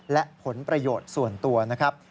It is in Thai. และผลประโยชน์ส่วนตัวนะครับ